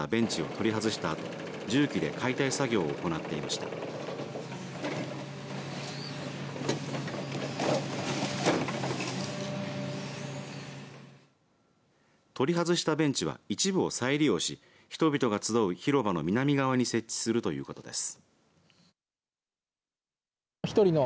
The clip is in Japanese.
取り外したベンチは一部を再利用し人々が集う広場の南側に設置するということです。